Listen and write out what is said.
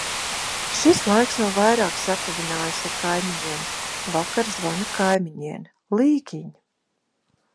Šis laiks vēl vairāk satuvinājis ar kaimiņiem. Vakar zvana kaimiņiene: Līgiņ!